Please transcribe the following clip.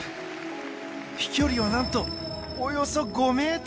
飛距離はなんとおよそ５メートル